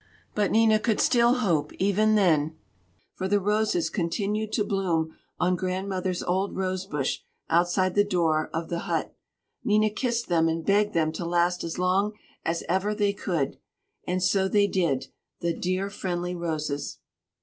But Nina could still hope, even then; for the roses continued to bloom on Grandmother's old rose bush outside the door of the hut. Nina kissed them and begged them to last as long as ever they could! And so they did the dear, friendly roses!